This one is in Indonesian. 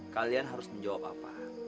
kalian harus menjawabannya